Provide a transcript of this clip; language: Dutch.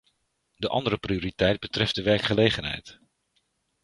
De andere prioriteit betreft de werkgelegenheid.